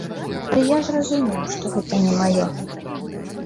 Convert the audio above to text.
Але я зразумеў, што гэта не маё.